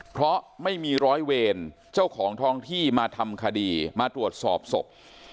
เพราะไม่มีร้อยเวรเจ้าของท้องที่มาทำคดีมาตรวจสอบศพ